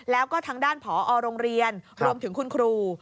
แล้วก็ทางด้านผอโรงเรียนรวมถึงคุณครู